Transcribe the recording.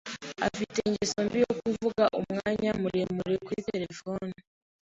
Afite ingeso mbi yo kuvuga umwanya muremure kuri terefone.